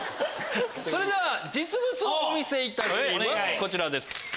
それでは実物をお見せいたしますこちらです。